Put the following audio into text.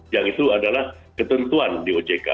yang itu adalah ketentuan di ojk